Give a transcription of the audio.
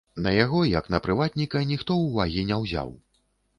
На яго, як на прыватніка, ніхто ўвагі не ўзяў.